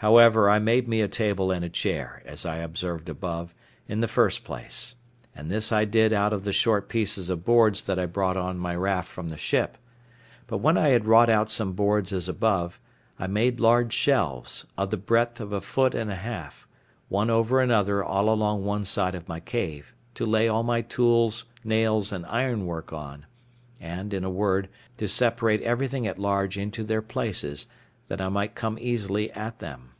However, I made me a table and a chair, as I observed above, in the first place; and this I did out of the short pieces of boards that I brought on my raft from the ship. But when I had wrought out some boards as above, I made large shelves, of the breadth of a foot and a half, one over another all along one side of my cave, to lay all my tools, nails and ironwork on; and, in a word, to separate everything at large into their places, that I might come easily at them.